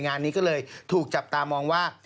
งานนี้ก็เลยถูกจับตามองว่า